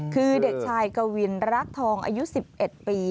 คือเด็กชายกวินรักทองอายุ๑๑ปี